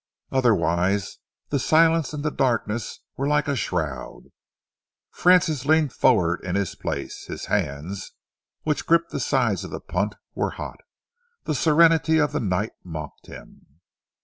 Otherwise the silence and the darkness were like a shroud. Francis leaned forward in his place. His hands, which gripped the sides of the punt, were hot. The serenity of the night mocked him.